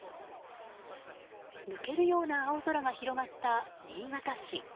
抜けるような青空が広がった新潟市。